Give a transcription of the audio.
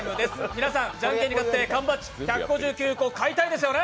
皆さん、じゃんけんに勝って缶バッジ１５９個、買いたいですよね。